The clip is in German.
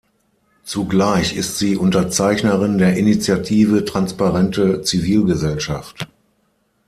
Zugleich ist sie Unterzeichnerin der Initiative Transparente Zivilgesellschaft.